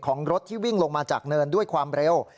รถที่วิ่งลงมาจากเนินด้วยความเร็ว